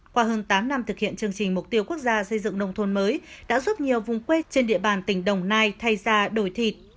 qua hơn tám năm thực hiện chương trình mục tiêu quốc gia xây dựng nông thôn mới đã giúp nhiều vùng quê trên địa bàn tỉnh đồng nai thay ra đổi thịt